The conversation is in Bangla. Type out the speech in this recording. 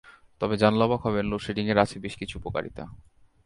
তবে জানলে অবাক হবেন লোডশেডিংয়ে আছে বেশ কিছু উপকারিতা।